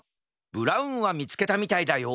ブラウンはみつけたみたいだよ